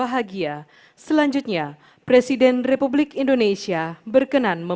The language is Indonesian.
saya mau jawab secara ritual dan dalam aline